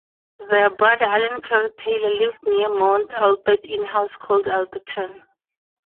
Their brother Allen Kerr Taylor lived near Mount Albert in a house called Alberton.